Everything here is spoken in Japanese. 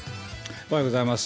おはようございます。